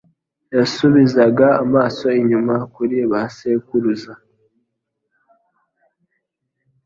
Yasubizaga amaso inyuma kuri basekuruza,